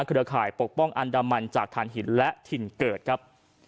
เครือข่ายปกป้องอันดามันจากฐานหินและถิ่นเกิดครับ